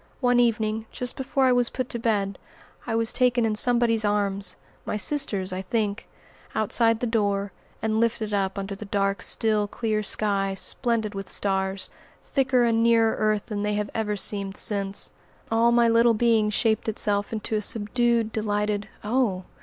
One evening, just before I was put to bed, I was taken in somebody's arms my sister's, I think outside the door, and lifted up under the dark, still, clear sky, splendid with stars, thicker and nearer earth than they have ever seemed since. All my little being shaped itself into a subdued delighted "Oh!"